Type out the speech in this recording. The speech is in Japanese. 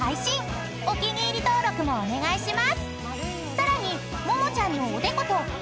［さらに］